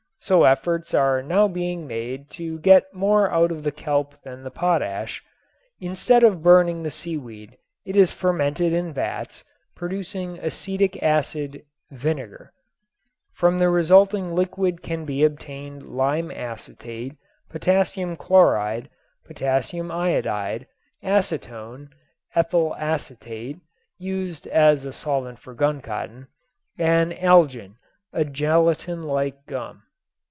So efforts are now being made to get more out of the kelp than the potash. Instead of burning the seaweed it is fermented in vats producing acetic acid (vinegar). From the resulting liquid can be obtained lime acetate, potassium chloride, potassium iodide, acetone, ethyl acetate (used as a solvent for guncotton) and algin, a gelatin like gum.